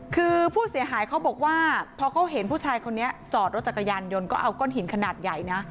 คือผู้เสียหายเขาบอกว่าพอเขาเห็นผู้ชายคนนี้จอดรถจักรยานยนต์ก็เอาก้อนหินขนาดใหญ่นะ